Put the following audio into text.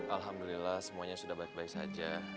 alhamdulillah semuanya sudah baik baik saja